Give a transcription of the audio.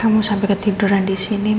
kamu sampai ketiduran disini mas